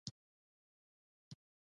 د مطلقې بې وزلۍ د له منځه وړلو مالومات پرې و.